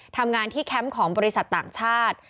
ทำงานที่แคมป์ของบริษัทต่างชาติ